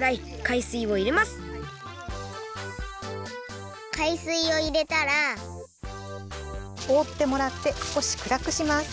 かいすいをいれたらおおってもらってすこしくらくします。